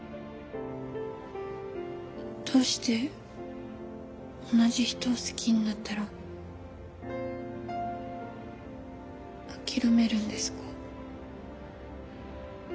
どうして同じ人を好きになったら諦めるんですか？